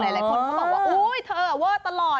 หลายคนก็บอกว่าเธอเว่อตลอด